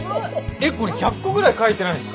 えっこれ１００個ぐらい書いてないすか？